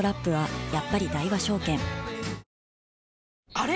あれ？